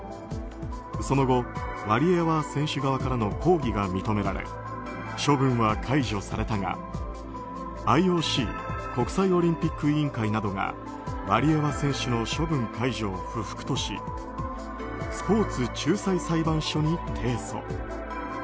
その後、ワリエワ選手側からの抗議が認められ処分は解除されたがＩＯＣ・国際オリンピック委員会などがワリエワ選手の処分解除を不服としスポーツ仲裁裁判所に提訴。